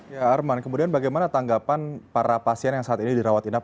ya arman kemudian bagaimana tanggapan para pasien yang saat ini dirawat inap